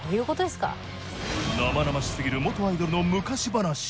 生々しすぎる元アイドルの昔話。